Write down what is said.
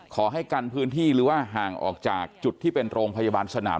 ขอให้กันพื้นที่หรือว่าห่างออกจากจุดที่เป็นโรงพยาบาลสนาม